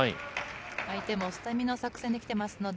相手も捨て身の作戦できてますので、